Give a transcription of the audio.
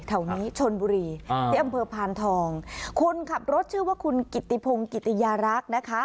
แถวนี้ชนบุรีที่อำเภอพานทองคนขับรถชื่อว่าคุณกิติพงกิติยารักษ์นะคะ